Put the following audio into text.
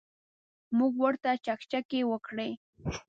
موږ ورته چکچکې وکړې.